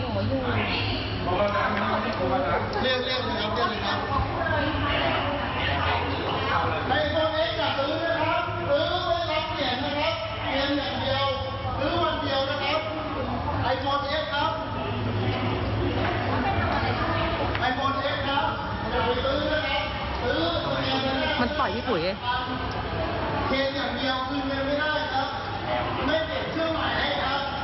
มันต่อยพี่ปุ๊บด้วย